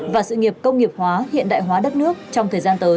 và sự nghiệp công nghiệp hóa hiện đại hóa đất nước trong thời gian tới